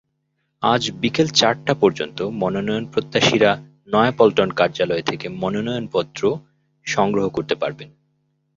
আজ বিকেল চারটা পর্যন্ত মনোনয়নপ্রত্যাশীরা নয়াপল্টন কার্যালয় থেকে মনোনয়নপত্র সংগ্রহ করতে পারবেন।